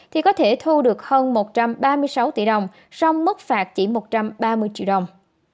thì có thể thu được hơn một trăm ba mươi sáu tỷ đồng song mức phạt chỉ một trăm ba mươi triệu đồng